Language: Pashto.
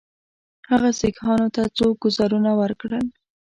هغه سیکهانو ته څو ګوزارونه ورکړل.